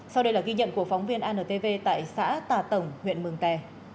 sau đây là ghi nhận của phóng viên antv tại xã tà tổng huyện mường tè